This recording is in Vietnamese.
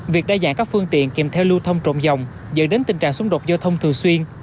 việc đa dạng các phương tiện kèm theo lưu thông trộm dòng dẫn đến tình trạng xung đột giao thông thường xuyên